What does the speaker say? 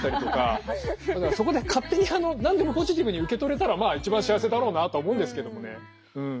そこで勝手に何でもポジティブに受け取れたらまあ一番幸せだろうなとは思うんですけどもねうん。